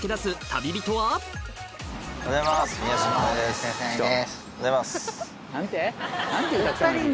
おはようございます。